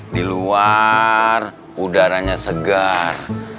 di luar udaranya segar